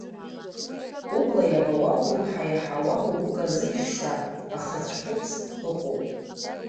Убла иабауа, улымҳа иаҳауа, угәы казыжьша ахыцәхәыц ыҟоуп.